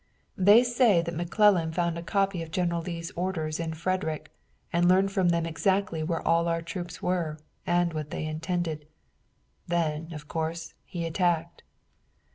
They say that McClellan found a copy of General Lee's orders in Frederick, and learned from them exactly where all our troops were and what they intended. Then, of course, he attacked."